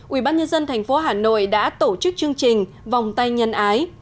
ubnd tp hà nội đã tổ chức chương trình vòng tay nhân ái